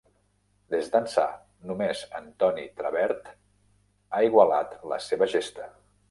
Des d'ençà, només en Tony Trabert ha igualat la seva gesta.